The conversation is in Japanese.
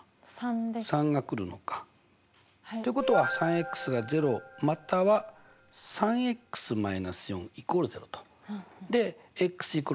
３。３が来るのか。ということは３が０または３−で＝０は正解と。